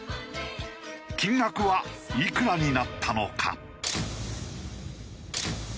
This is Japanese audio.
金額はいくらになったのか？